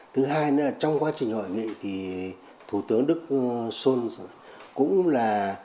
thứ hai nữa là trong quá trình hội nghị thì thủ tướng đức sơn cũng là